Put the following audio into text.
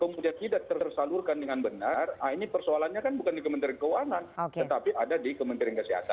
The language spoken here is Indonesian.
kemudian tidak tersalurkan dengan benar ini persoalannya kan bukan di kementerian keuangan tetapi ada di kementerian kesehatan